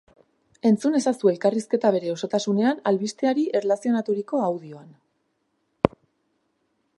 Entzun ezazu elkarrizketa bere osotasunean albisteari erlazionaturiko audioan.